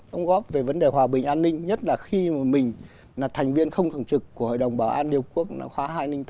đóng góp về vấn đề hòa bình an ninh nhất là khi mình là thành viên không thường trực của hội đồng bảo an liên hiệp quốc khóa hai nghìn tám hai nghìn chín